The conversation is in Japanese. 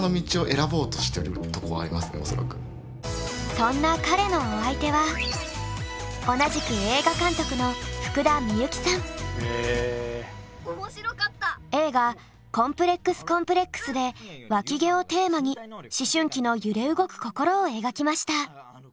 そんな彼のお相手は同じく映画「こんぷれっくす×コンプレックス」でわき毛をテーマに思春期の揺れ動く心を描きました。